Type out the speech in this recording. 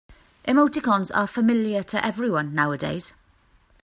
Emoticons are familiar to everyone nowadays.